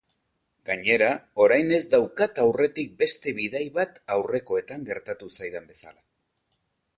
Gainera, orain ez daukat aurretik beste bidai bat aurrekoetan gertatu zaidan bezala.